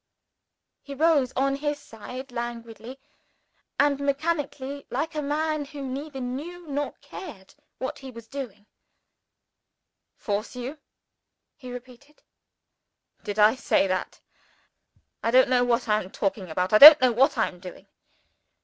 He rose, on his side languidly and mechanically, like a man who neither knew nor cared what he was doing. "Force you?" he repeated. "Did I say that? I don't know what I am talking about; I don't know what I am doing.